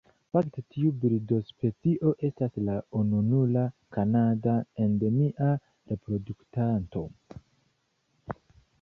Fakte tiu birdospecio estas la ununura kanada endemia reproduktanto.